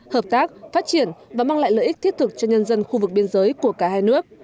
hợp tác phát triển và mang lại lợi ích thiết thực cho nhân dân khu vực biên giới của cả hai nước